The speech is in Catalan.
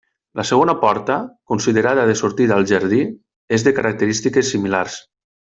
La segona porta, considerada de sortida al jardí, és de característiques similars.